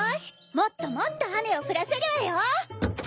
もっともっとあめをふらせるわよ！